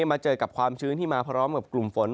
มาเจอกับความชื้นที่มาพร้อมกับกลุ่มฝน